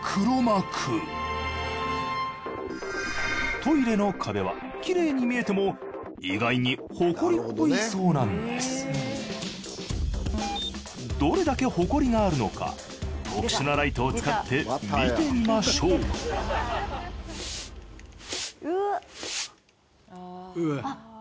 トイレの壁はきれいに見えても意外にどれだけホコリがあるのか特殊なライトを使って見てみましょううわ